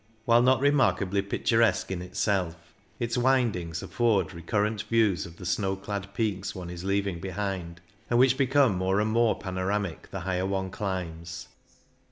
While not remarkably picturesque in itself, its windings afford recurrent views of the snow clad peaks one is leaving behind, and which become more and more panoramic the higher one climbs.